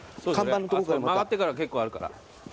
曲がってから結構あるから。